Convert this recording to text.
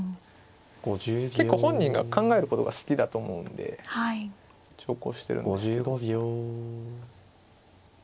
結構本人が考えることが好きだと思うんで長考してるんですけど。